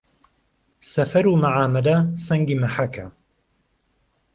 سەفەرو مەعامەلە سەنگی مەحەکە